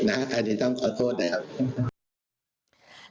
อันนี้ต้องขอโทษนะครับ